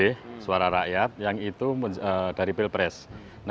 harga akan turun